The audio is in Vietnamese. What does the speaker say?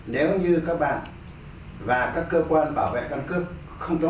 nếu như các bạn và các cơ quan bảo vệ căn cướp không tốt